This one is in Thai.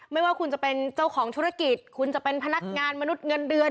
ไม่ว่าคุณจะเป็นเจ้าของธุรกิจคุณจะเป็นพนักงานมนุษย์เงินเดือน